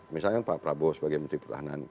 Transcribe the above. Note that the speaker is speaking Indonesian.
misalkan pak prabowo sebagai menteri pertahanan